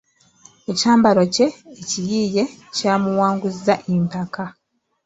Ekyambalo kye ekiyiiye kyamuwanguzza empaka.